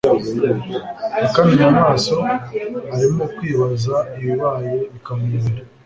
akanuye amaso, arimo kwibaza ibibaye bikamuyobera